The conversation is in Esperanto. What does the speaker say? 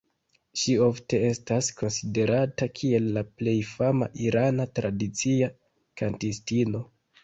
Ŝi ofte estas konsiderata kiel la plej fama irana tradicia kantistino.